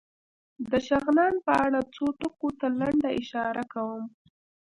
د شغنان په اړه څو ټکو ته لنډه اشاره کوم.